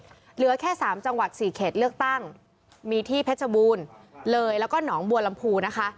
เหลือแค่สามจังหวัดสี่เขตเลือกตั้งมีที่เพชรบูรณ์เลยแล้วก็หนองบัวลำพูนะคะ